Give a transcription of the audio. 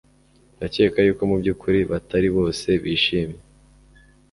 Ndakeka yuko mubyukuri batari bose bishimye.